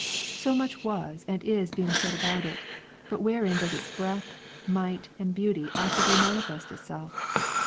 So much was and is being said about it, but wherein does its breadth, might and beauty actively manifest itself?